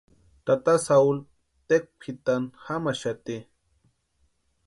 Tata Sauli tékwa pʼitani jamaxati.